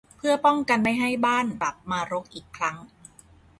เพื่อป้องกันไม่ให้บ้านกลับมารกอีกครั้ง